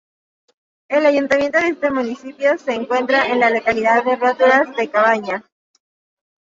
El ayuntamiento de este municipio se encuentra en la localidad de Roturas de Cabañas.